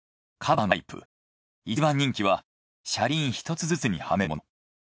カバーのタイプ一番人気は車輪一つずつにはめるもの。